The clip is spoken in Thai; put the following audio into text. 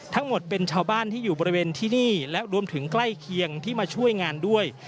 ทั้งหมดเป็นชาวบ้านที่อยู่บริเวณที่นี่และรวมถึงใกล้เคียงที่มาช่วยงานด้วย